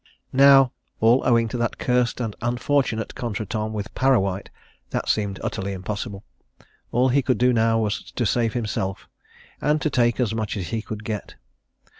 Now all owing to that cursed and unfortunate contretemps with Parrawhite, that seemed utterly impossible all he could do now was to save himself and to take as much as he could get.